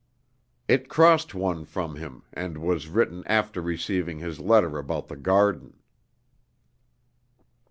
It crossed one from him, and was written after receiving his letter about the garden.